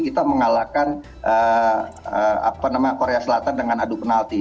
kita mengalahkan korea selatan dengan adu penalti